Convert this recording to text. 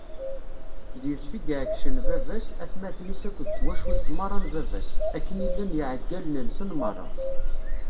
D Yusef i yeɛeggcen baba-s, atmaten-is akked twacult meṛṛa n baba-s, akken i llan iɛeggalen-nsen meṛṛa.